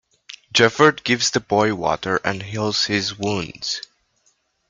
Jeffords gives the boy water and heals his wounds.